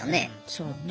そうね。